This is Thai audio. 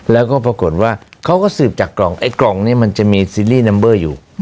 แล้วก็ปรากฏว่าเขาก็สืบจากกล่องไอ้กล่องนี้มันจะมีซีรีส์นัมเบอร์อยู่